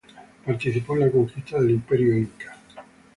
Participó en la conquista del Imperio Inca.